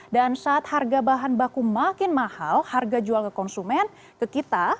dan saat harga bahan baku makin mahal harga jual ke konsumen ke kita